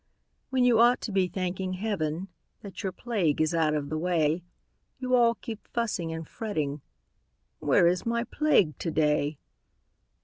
When you ought to be thanking Heaven That your plague is out of the way, You all keep fussing and fretting "Where is my Plague to day?"